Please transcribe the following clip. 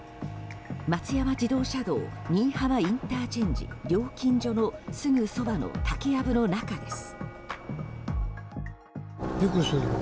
松山自動車道新居浜ＩＣ料金所のすぐそばの竹やぶの中です。